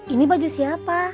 ini baju siapa